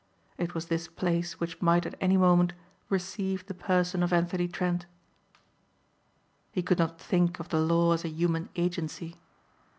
It was this place which might at any moment receive the person of Anthony Trent. He could not think of the law as a human agency.